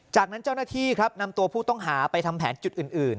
จากนั้นเจ้าหน้าที่ครับนำตัวผู้ต้องหาไปทำแผนจุดอื่น